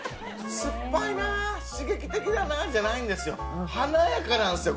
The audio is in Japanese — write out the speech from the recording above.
「酸っぱいな刺激的だな」じゃないんですよ。華やかなんですよ